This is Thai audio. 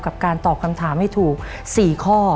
การตอบคำถามให้ถูก๔ข้อ